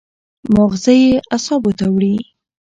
مازغه ئې اعصابو ته وړي